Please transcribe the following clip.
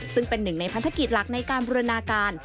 ซึ่งเป็นหนึ่งในพันธกิจหลักในการบูรณาการ